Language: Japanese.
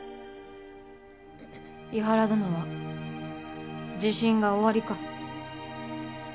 庵原殿は、自信がおありか？